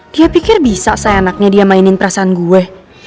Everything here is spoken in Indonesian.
dia pikir bisa seenaknya dia mainin perasaan gue